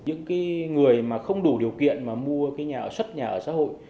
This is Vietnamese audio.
những cái người mà không đủ điều kiện mà mua cái nhà ở xuất nhà ở xã hội